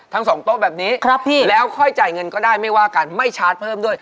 ทั้งสองโต๊ะแบบนี้แล้วค่อยจ่ายเงินก็ได้ไม่ว่ากันไม่ชาร์จเพิ่มด้วย